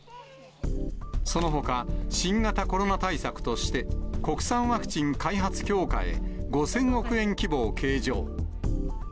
そのほか、新型コロナ対策として、国産ワクチン開発強化へ、５０００億円規模を計上。